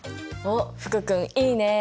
おっ福君いいね！